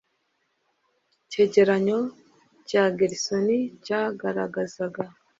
icyegeranyo cya gersony cyagaragazaga